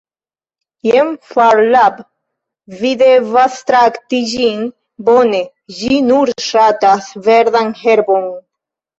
Jen Phar Lap, vi devas trakti ĝin bone, ĝi nur ŝatas verdan herbon.